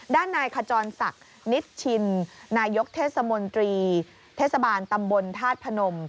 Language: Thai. ด้านนายขจรศักดิ์นิชชินนายกเทศมนตรีเทศบาลตำบลธาตุพนม